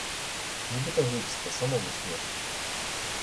Нібыта глупства, самому смешна.